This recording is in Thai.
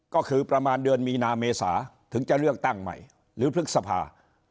ก็คือประมาณเดือนมีนาเมษาถึงจะเลือกตั้งใหม่หรือพฤษภา